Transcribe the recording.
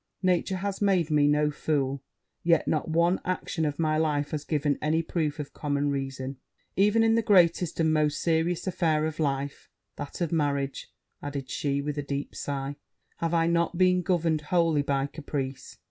Nature has made me no fool; yet not one action of my life has given any proof of common reason. 'Even in the greatest and most serious affair of life that of marriage,' added she with a deep sigh, 'have I not been governed wholly by caprice?